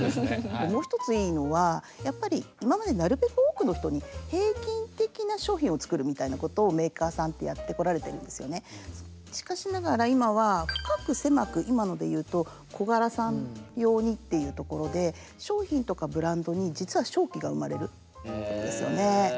もう一ついいのはやっぱり今までなるべく多くの人にしかしながら今は深く狭く今ので言うと小柄さん用にっていうところで商品とかブランドに実は勝機が生まれるんですよね。